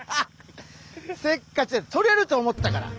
せっかちとれると思ったから。